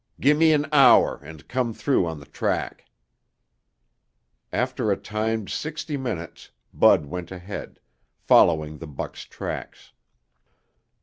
"Give me an hour and come through on the track." After a timed sixty minutes, Bud went ahead, following the buck's tracks.